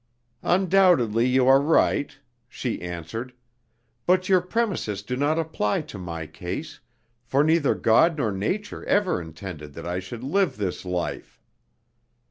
"Undoubtedly you are right," she answered, "but your premises do not apply to my case, for neither God nor nature ever intended that I should live this life.